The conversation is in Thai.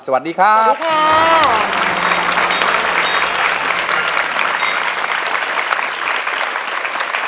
สวัสดีครับสวัสดีค่ะ